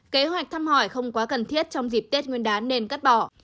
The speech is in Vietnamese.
kế hoạch thăm hỏi không quá cần thiết trong dịp tết nguyên đán nên cắt bỏ